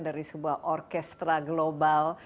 dari sebuah orkestra global